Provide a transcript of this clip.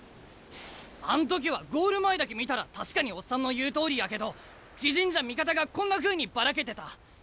あん時はゴール前だけ見たら確かにオッサンの言うとおりやけど自陣じゃ味方がこんなふうにばらけてた。